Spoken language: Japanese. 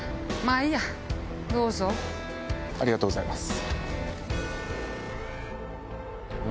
ありがとうございます。